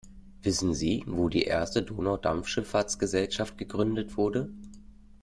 Wissen Sie, wo die erste Donaudampfschiffahrtsgesellschaft gegründet wurde?